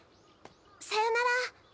さようなら。